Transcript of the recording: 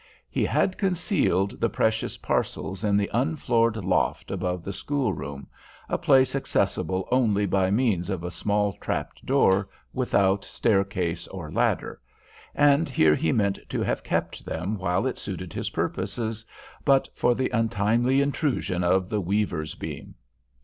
He had concealed the precious parcels in the unfloored loft above the school room, a place accessible only by means of a small trap door without staircase or ladder; and here he meant to have kept them while it suited his purposes, but for the untimely intrusion of the weaver's beam.